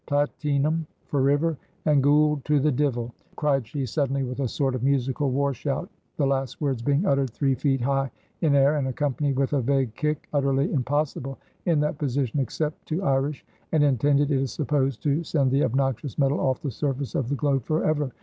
Plateenum foriver, and gould to the Divil," cried she, suddenly, with a sort of musical war shout, the last words being uttered three feet high in air, and accompanied with a vague kick, utterly impossible in that position except to Irish, and intended, it is supposed, to send the obnoxious metal off the surface of the globe forever.